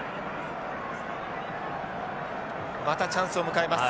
またチャンスを迎えます。